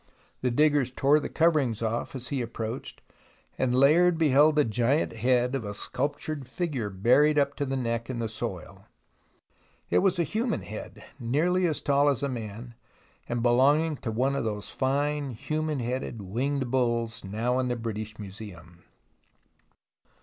The diggers tore the coverings off as he approached, and Layard beheld the giant head of a sculptured figure buried up to the neck in the soil. It was a human head, nearly as tall as a man, and belonging to one of those fine human headed winged bulls now in the British Museum.